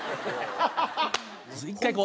１回こう。